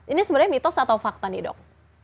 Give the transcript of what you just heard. ini sebenarnya mitos atau fakta nih dok